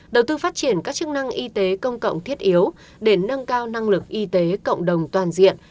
đầu tư phát triển các chức năng y tế công cộng thiết yếu để nâng cao năng lực y tế cộng đồng toàn diện